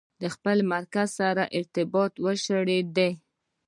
د خپل مرکز سره رابطه وشلېده.